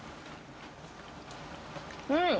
うん！